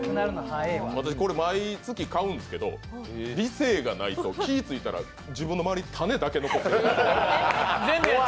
これ私、毎月買うんですけど理性がないと気がついたら自分の周り、種だけ残ってる。